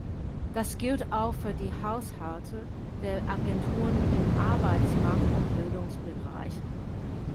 Das gilt auch für die Haushalte der Agenturen im Arbeitsmarkt- und Ausbildungsbereich.